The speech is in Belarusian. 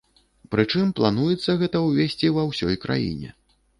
Прычым, плануецца гэта ўвесці ва ўсёй краіне.